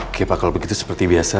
oke pak kalau begitu seperti biasa